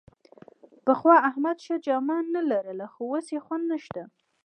پخوا احمد ښه جامه نامه لرله، خو اوس یې خوند نشته.